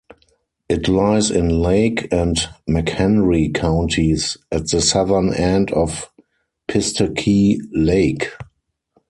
It lies in Lake and McHenry counties at the southern end of Pistakee Lake.